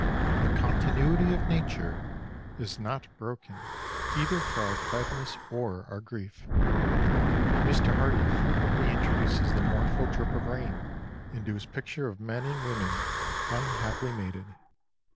The continuity of nature is not broken either for our gladness or our grief. Mr Hardy frequently introduces the mournful drip of rain into his picture of men and women unhappily mated.